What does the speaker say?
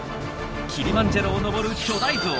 キリマンジャロを登る巨大ゾウ。